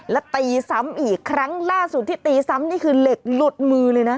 และตีซ้ำอีกครั้งล่าสุดที่ตีซ้ำนี่คือเหล็กหลุดมือเลยนะ